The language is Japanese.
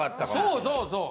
そうそうそう。